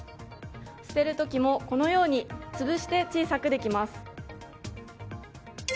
捨てる時も、このように潰して小さくできます。